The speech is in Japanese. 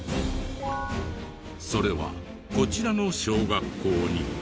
それはこちらの小学校に。